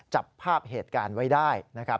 จับภาพเหตุการณ์ไว้ได้นะครับ